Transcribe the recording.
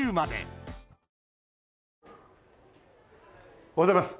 おはようございます。